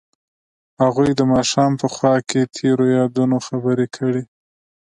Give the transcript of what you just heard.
هغوی د ماښام په خوا کې تیرو یادونو خبرې کړې.